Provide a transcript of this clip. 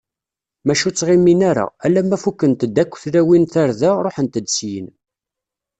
Maca ur ttɣiman ara, alamma fukkent-d akk tlawin tarda, ṛuḥent-d syin.